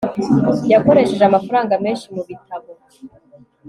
Yakoresheje amafaranga menshi mubitabo